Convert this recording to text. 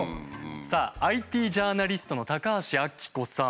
さあＩＴジャーナリストの高橋暁子さん。